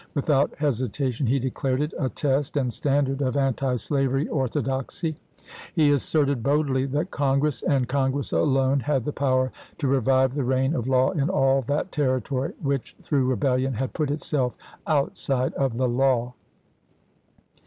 Without hesitation he declared it a test and standard of antislavery or thodoxy; he asserted boldly that Congress, and Congress alone, had the power to revive the reign of law in all that territory which, through rebellion, had put itself outside of the law.